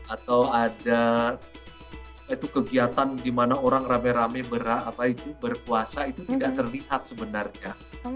atau ada itu kegiatan dimana orang rame rame berpuasa itu tidak terlihat sebenarnya